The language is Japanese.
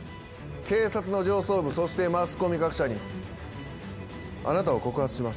警察の上層部そしてマスコミ各社にあなたを告発します。